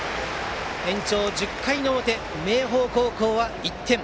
延長１０回の表明豊高校は１点。